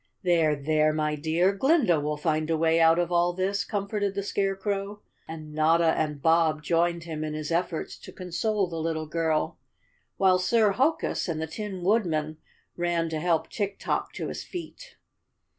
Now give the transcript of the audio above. "There, there, my dear! Glinda will find a way out of all this," comforted the Scarecrow, and Notta and Bob joined him in his efforts to console the little girl, while Sir Hokus and the Tin Woodman ran to help Tik Tok to his feet.